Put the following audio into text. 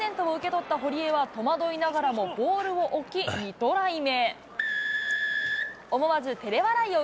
思わぬプレゼントを受け取った堀江は、戸惑いながらもボールを置き、２トライ目。